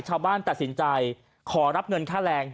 ชาวบ้านตัดสินใจขอรับเงินค่าแรง